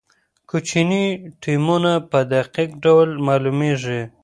کوچني ټپونه په دقیق ډول معلومېږي.